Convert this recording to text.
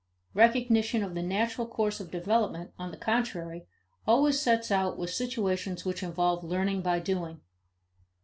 Recognition of the natural course of development, on the contrary, always sets out with situations which involve learning by doing.